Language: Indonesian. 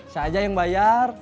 saya aja yang bayar